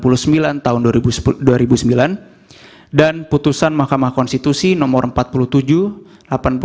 perintah yang terakhir adalah dalam putusan mahkamah konstitusi nomor tiga puluh satu php tahun dua ribu sembilan